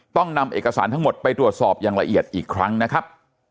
ต้องนำเอกสารทั้งหมดไปตรวจสอบอย่างละเอียดอีกครั้งนะครับ